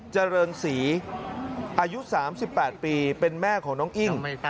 เจริญศรีอายุสามสิบแปดปีเป็นแม่ของน้องอิ้ง